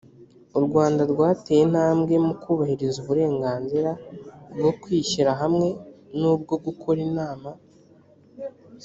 u rwanda rwateye intambwe mu kubahiriza uburenganzira bwo kwishyira hamwe n ubwo gukora inama